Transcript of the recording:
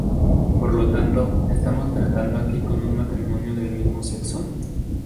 Por lo tanto, ¿estamos tratando aquí con un matrimonio del mismo sexo?